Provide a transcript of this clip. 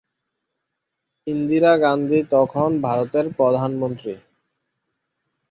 ইন্দিরা গান্ধি তখন ভারতের প্রধানমন্ত্রী।